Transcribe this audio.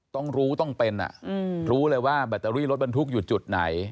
ต้องรู้ต้องเป็นรู้เลยว่าแบตเตอรี่รถบรรทุกอยู่จุดไหน